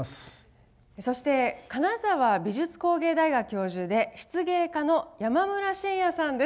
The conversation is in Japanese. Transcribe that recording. そして金沢美術工芸大学教授で漆芸家の山村慎哉さんです。